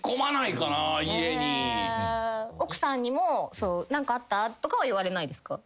奥さんにも「何かあった？」とかは言われないですか？